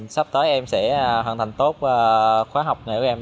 sắp tới em sẽ hoàn thành tốt khóa học nghề của em